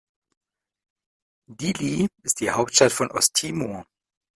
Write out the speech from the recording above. Dili ist die Hauptstadt von Osttimor.